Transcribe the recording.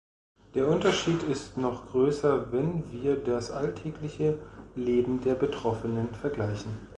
Der Unterschied ist noch größer, wenn wir das alltägliche Leben der Betroffenen vergleichen.